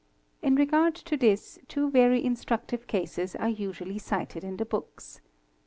In regard to this two very instructive cases are usually cited in the books.